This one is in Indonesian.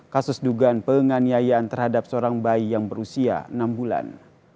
kasus dugaan penganiayaan terhadap seorang bayi yang berusia enam bulan